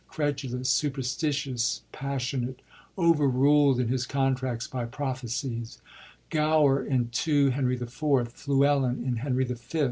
credulous, superstitious, passionate, over ruled in his contracts by prophecies; Gower in 2 Heni^ IV, ; Fluellen in Henry F.